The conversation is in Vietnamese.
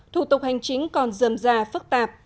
thủ tục hành chính còn dầm ra phức tạp